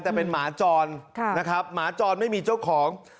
แต่เป็นหมาจรนะครับหมาจรไม่มีเจ้าของ